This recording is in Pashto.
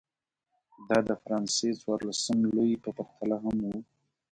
دا د فرانسې څوارلسم لويي په پرتله هم و.